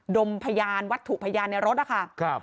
ดมพยานวัตถุพยานในรถนะคะ